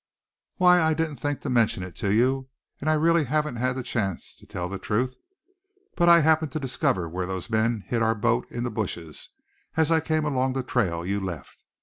"Why, I didn't think to mention it to you, and I really haven't had the chance, to tell the truth; but I happened to discover where those men hid our boat in the bushes as I came along on the trail you left.